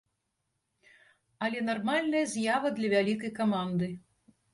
Але нармальная з'ява для вялікай каманды.